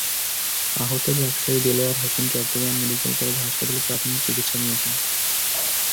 আহত ব্যবসায়ী Delwar Hossain Chittagong medical college হাসপাতালে প্রাথমিক চিকিৎসা নিয়েছেন।